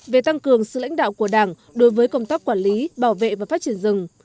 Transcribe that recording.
về tăng cường sự lãnh đạo của đảng đối với công tác quản lý bảo vệ và phát triển rừng